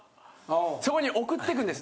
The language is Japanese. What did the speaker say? そこに送ってくんです。